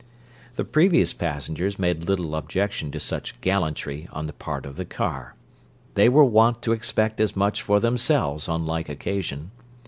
The previous passengers made little objection to such gallantry on the part of the car: they were wont to expect as much for themselves on like occasion.